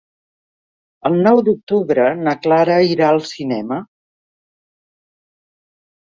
El nou d'octubre na Clara irà al cinema.